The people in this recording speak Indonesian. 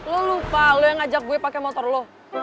lo lupa lo yang ajak gue pake motor lo